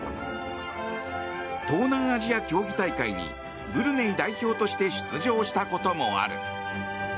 東南アジア競技大会にブルネイ代表として出場したこともある。